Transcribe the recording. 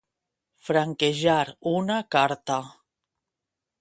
Franquejar una carta.